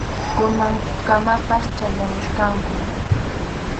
Kunankamapas chayamuchkankum.